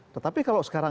tetapi kalau sekarang